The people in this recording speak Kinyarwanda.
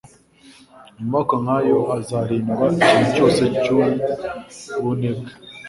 Amaboko nk'ayo azarindwa ikintu cyose cy'ubvmebwe,